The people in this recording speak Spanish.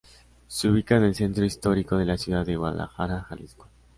Se ubica en el centro histórico de la ciudad de Guadalajara, Jalisco.